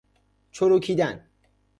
چروکیدن